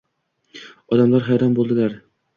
Odamlar hayron bo`ldilar